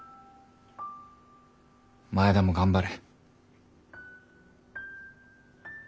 前田も頑張れ。